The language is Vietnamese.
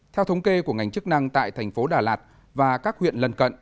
theo thống kê của ngành chức năng tại thành phố đà lạt và các huyện lân cận